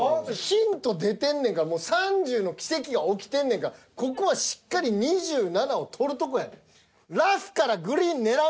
ヒント出てんねんから３０の奇跡が起きてんねんからここはしっかり２７を取るとこやねん。